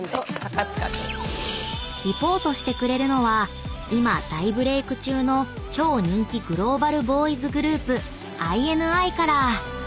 ［リポートしてくれるのは今大ブレーク中の超人気グローバルボーイズグループＩＮＩから］